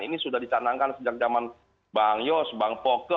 ini sudah dicanangkan sejak zaman bang yos bang poke